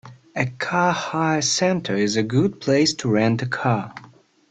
A car hire centre is a good place to rent a car